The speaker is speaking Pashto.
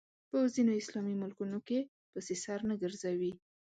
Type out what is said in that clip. په ځینو اسلامي ملکونو کې پسې سر نه ګرځوي